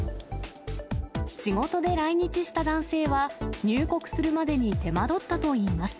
仕事で来日した男性は、入国するまでに手間取ったといいます。